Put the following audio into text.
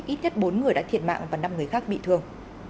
ít nhất bốn người đã thiệt mạng và năm người khác bị thương